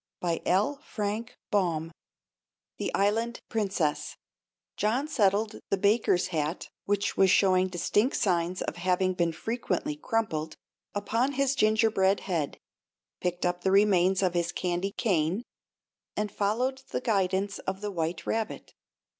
The Island Princess John settled the baker's hat (which was showing distinct signs of having been frequently crumpled) upon his gingerbread head, picked up the remains of his candy cane, and followed the guidance of the white rabbit.